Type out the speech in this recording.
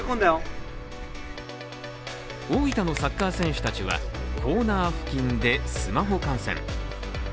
大分のサッカー選手たちはコーナー付近でスマホ観戦。